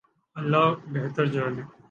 اللہ بہتر جانے۔